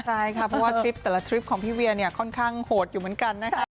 ใช่ค่ะเพราะว่าทริปแต่ละทริปของพี่เวียเนี่ยค่อนข้างโหดอยู่เหมือนกันนะคะ